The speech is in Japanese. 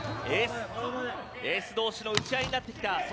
エース同士の打ち合いになってきた。